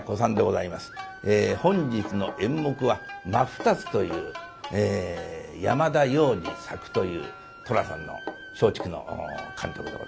本日の演目は「真二つ」という山田洋次・作という「寅さん」の松竹の監督でございます。